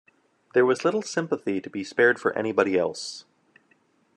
There was little sympathy to be spared for anybody else.